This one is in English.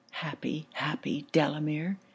'Happy, happy Delamere!'